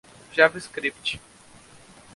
javascript